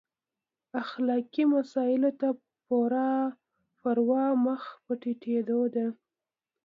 اخلاقي مسایلو ته پروا مخ په تتېدو ده.